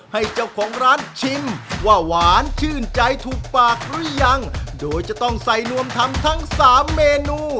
ให้เจ้าของร้านชิมว่าหวานชื่นใจถูกปากหรือยังโดยจะต้องใส่นวมทำทั้งสามเมนู